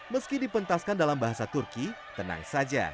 meski dipentaskan dalam bahasa turki tenang saja